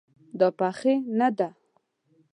دا پخې نه ده